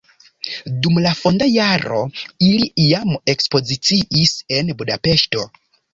Dum la fonda jaro ili jam ekspoziciis en Budapeŝto.